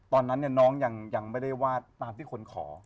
ตอนนั้นน้องยังไม่ได้วาดตามที่คนขอ